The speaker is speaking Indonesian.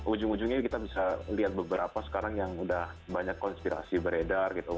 ujung ujungnya kita bisa lihat beberapa sekarang yang udah banyak konspirasi beredar gitu